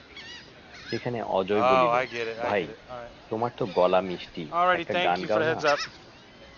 সেখানে অজয় বলিল, ভাই, তোমার তো গলা মিষ্টি-একটা গান গাও না?